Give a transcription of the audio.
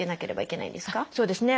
そうですね。